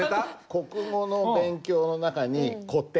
国語の勉強の中に「古典」